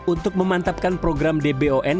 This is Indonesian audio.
untuk memantapkan program dbon